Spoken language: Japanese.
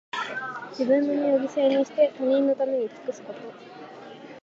自分の身を犠牲にして、他人のために尽くすこと。